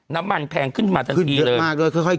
น้ำมันแพงขึ้นมาแต่ทีเลย